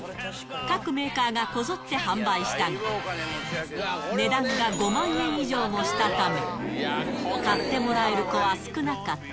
各メーカーがこぞって販売したが、値段が５万円以上もしたため、買ってもらえる子は少なかった。